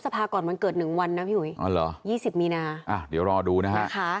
แล้วก็ไม่แตกต่างในการจัดการเลือกตั้ง